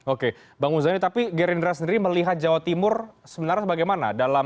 oke bang muzani tapi gerindra sendiri melihat jawa timur sebenarnya bagaimana dalam